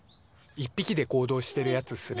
１ぴきで行動してるやつっすね。